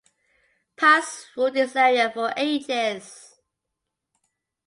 Pals ruled this area for ages.